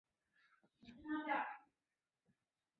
此时舰队在西太平洋只有福治谷号一艘航空母舰。